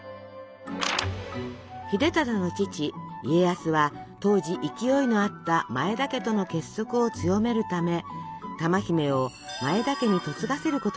秀忠の父家康は当時勢いのあった前田家との結束を強めるため珠姫を前田家に嫁がせることにしたのです。